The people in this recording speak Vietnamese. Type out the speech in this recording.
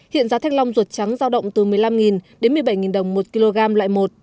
hiện giá thanh long ruột trắng giao động từ một mươi năm đến một mươi bảy đồng một kg loại một